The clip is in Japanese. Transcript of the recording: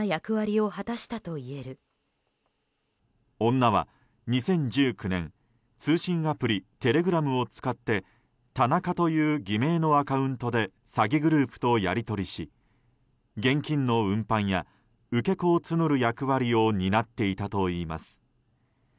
女は２０１９年、通信アプリテレグラムを使ってタナカという偽名のアカウントで詐欺グループとやり取りし現金の運搬や受け子を募る役割を担っていたといいます。